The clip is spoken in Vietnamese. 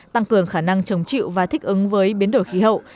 tăng cường khả năng chống chịu và thích ứng với biến đổi khí hậu